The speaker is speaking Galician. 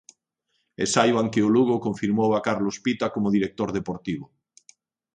E saiban que o Lugo confirmou a Carlos Pita como director deportivo.